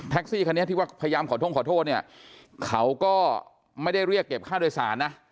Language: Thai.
ซี่คันนี้ที่ว่าพยายามขอโทษขอโทษเนี่ยเขาก็ไม่ได้เรียกเก็บค่าโดยสารนะ